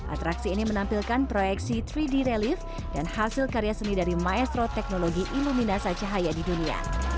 atraksi ini menampilkan proyeksi tiga d relief dan hasil karya seni dari maestro teknologi iluminasa cahaya di dunia